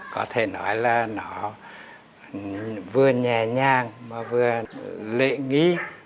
có thể nói là nó vừa nhẹ nhàng mà vừa lệ nghi